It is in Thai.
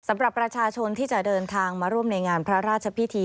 สำหรับประชาชนที่จะเดินทางมาร่วมในงานพระราชพิธี